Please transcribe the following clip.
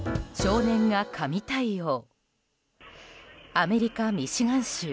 アメリカ・ミシガン州。